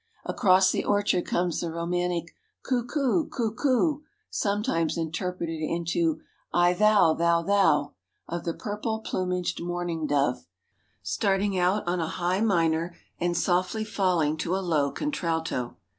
Across the orchard comes the romantic "Coo coo coo coo," sometimes interpreted into "I thou thou thou," of the purple plumaged mourning dove, starting out on a high minor and softly falling to a low contralto.